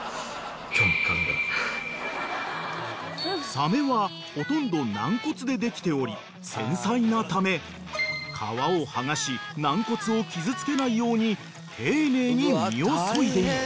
［サメはほとんど軟骨でできており繊細なため皮を剥がし軟骨を傷つけないように丁寧に身をそいでいく］